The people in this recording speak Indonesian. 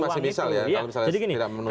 ini masih misal ya kalau misalnya tidak menuh